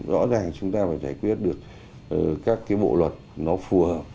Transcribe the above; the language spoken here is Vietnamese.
rõ ràng chúng ta phải giải quyết được các cái bộ luật nó phù hợp